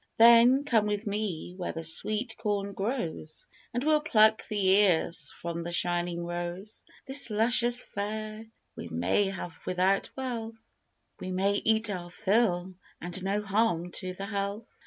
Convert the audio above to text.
Then come with me where the sweet corn grows And we'll pluck the ears from the shining rows. This luscious fare we may have without wealth, We may eat our fill and no harm to the health.